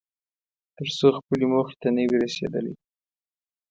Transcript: تر څو خپلې موخې ته نه وې رسېدلی.